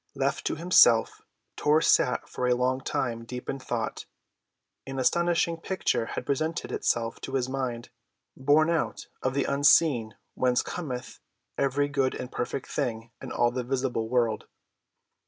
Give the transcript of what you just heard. Left to himself, Tor sat for a long time deep in thought; an astonishing picture had presented itself to his mind, born out of the unseen whence cometh every good and perfect thing in all the visible world.